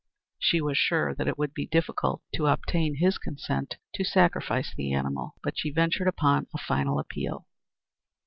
She was sure that it would be difficult to obtain his consent to sacrifice the animal, but she ventured upon a final appeal.